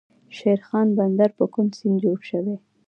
شیرخان بندر په کوم سیند جوړ شوی؟